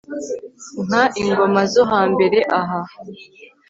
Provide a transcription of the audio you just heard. Nka ingoma zo hambere aha